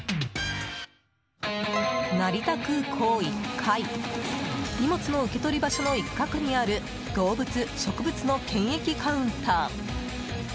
成田空港１階荷物の受け取り場所の一角にある動物、植物の検疫カウンター。